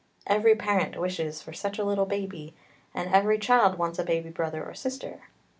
Every parent wishes for such a little baby, and every child wants a baby brother or sister.